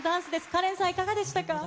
カレンさん、いかがでしたか。